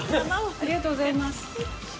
ありがとうございます。